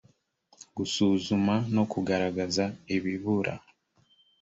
gusuzuma no kugaragaza ibibura